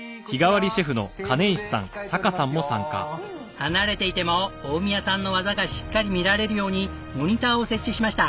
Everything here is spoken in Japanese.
離れていても大宮さんの技がしっかり見られるようにモニターを設置しました。